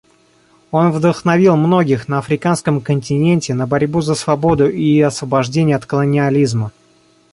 Он вдохновил многих на Африканском континенте на борьбу за свободу и освобождение от колониализма.